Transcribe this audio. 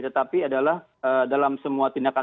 tetapi adalah dalam semua tindakan